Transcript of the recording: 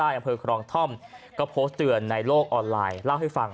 อำเภอครองท่อมก็โพสต์เตือนในโลกออนไลน์เล่าให้ฟัง